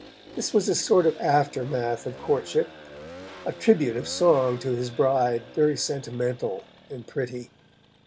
This was a sort of aftermath of courtship, a tribute of song to his bride, very sentimental and pretty.